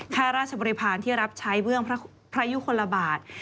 ค่าราชบริพาณที่รับใช้เบื้องพระยุคลบาท